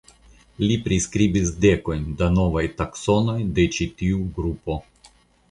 Li priskribis dekojn da novaj taksonoj de ĉi tiu grupo.